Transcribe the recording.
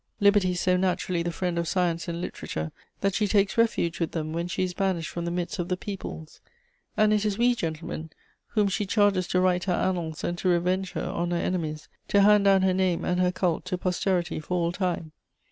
Liberty is so naturally the friend of science and literature, that she takes refuge with them when she is banished from the midst of the peoples; and it is we, gentlemen, whom she charges to write her annals and to revenge her on her enemies, to hand down her name and her cult to posterity for all time.